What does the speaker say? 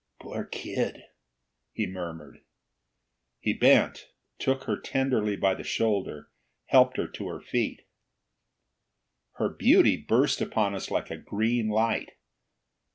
"Poor kid!" he murmured. He bent, took her tenderly by the shoulder, helped her to her feet. Her beauty burst upon us like a great light.